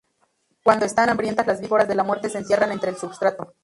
Cuando están hambrientas, las víboras de la muerte se entierran entre el substrato.